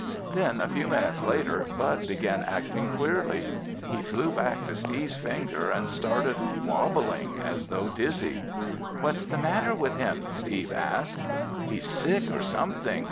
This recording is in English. Then a few minutes later, Bud began acting queerly. He flew back to Steve's finger and started wobbling as though dizzy. "What's the matter with him?" Steve asked. "He's sick or something!"